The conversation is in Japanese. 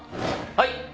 はい